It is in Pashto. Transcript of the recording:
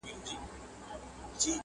زه به ولي نن د دار سر ته ختلاى٫